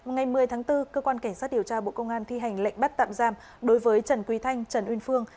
ngày một mươi tháng bốn cơ quan cảnh sát điều tra bộ công an thi hành lệnh bắt tạm giam đối với trần quý thanh trần uyên phương